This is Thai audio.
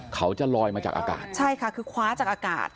เขาจะลอยมาจากอากาศใช่ค่ะคือคว้าจากอากาศ